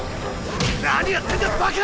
何やってんだバカ！